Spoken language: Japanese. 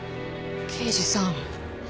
刑事さん